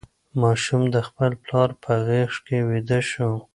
ماشوم د خپل پلار په غېږ کې ویده شو.